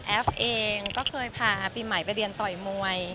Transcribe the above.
ฟเองก็เคยพาปีใหม่ไปเรียนต่อยมวย